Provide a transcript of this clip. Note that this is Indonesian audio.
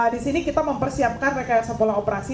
di sini kita mempersiapkan rekayat sekolah operasi